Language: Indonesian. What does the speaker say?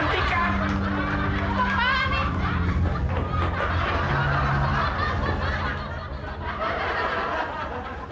tidak ada apa apaan nih